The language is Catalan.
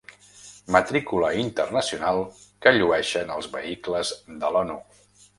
Matrícula internacional que llueixen els vehicles de l'Onu.